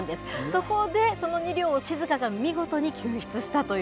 そこでその２両をしづかが見事に救出したという。